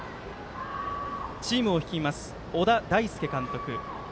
チームを率います、小田大介監督。